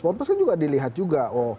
portus kan juga dilihat juga